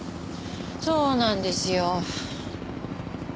そうなんですよ。